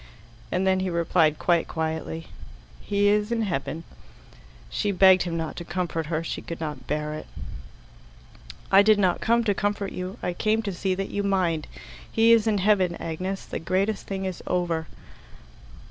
and then he replied quite quietly, "He is in heaven." She begged him not to comfort her; she could not bear it. "I did not come to comfort you. I came to see that you mind. He is in heaven, Agnes. The greatest thing is over."